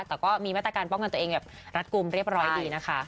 แต่ก็มีมาตรการป้องกันตัวเองแบบรัดกลุ่มเรียบร้อยดีนะคะ